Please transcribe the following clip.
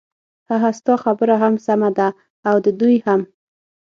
ههه ستا خبره هم سمه ده او د دوی هم.